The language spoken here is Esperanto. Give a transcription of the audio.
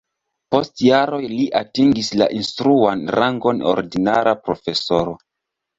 Post jaroj li atingis la instruan rangon ordinara profesoro.